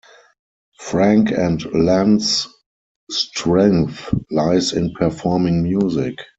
Frank and Len's strength lies in performing music.